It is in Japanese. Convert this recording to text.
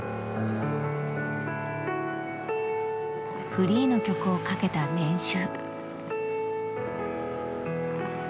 フリーの曲をかけた練習。